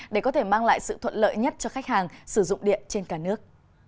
để có thể mang lại sự thuận lợi nhất cho khách hàng sử dụng điện trên cả nước